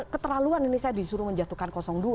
keterlaluan ini saya disuruh menjatuhkan dua